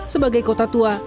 sebagai kota tua